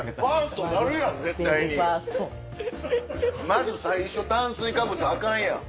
まず最初炭水化物アカンやん。